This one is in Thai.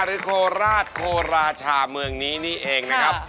โคราชโคราชาเมืองนี้นี่เองนะครับ